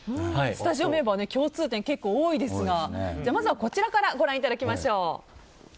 スタジオメンバー共通点結構多いですがまずはこちらからご覧いただきましょう。